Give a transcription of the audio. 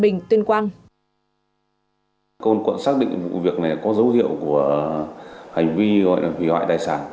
công an quận xác định vụ việc này có dấu hiệu của hành vi hủy hoại tài sản